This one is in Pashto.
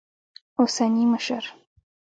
اوسني مشر